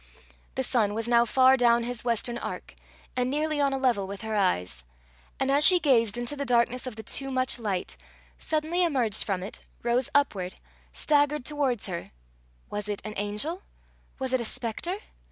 The sun was now far down his western arc, and nearly on a level with her eyes; and as she gazed into the darkness of the too much light, suddenly emerged from it, rose upward, staggered towards her was it an angel? was it a spectre?